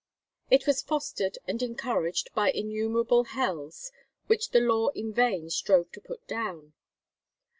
It was fostered and encouraged by innumerable hells, which the law in vain strove to put down.